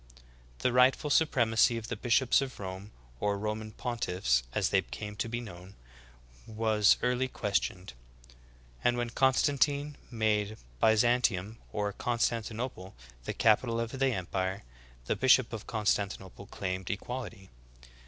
The rightful supremacy of the bishops of Rome, or Roman pontiffs as they came to be known, was early ques tioned ; and when Constantine made Byzantium, or Con stantinople, the capital of the empire, the bishop of Constan tinople claimed equality.